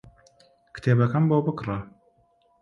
کتێبەکەم بۆ بکڕە.